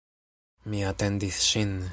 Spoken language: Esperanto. Mi atendis ŝin.